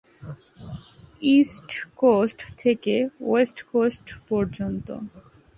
East coast থেকে west coast পর্যন্ত।